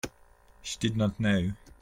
She did not know.